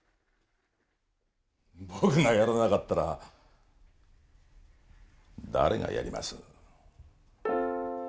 僕がやらなかったら誰がやります？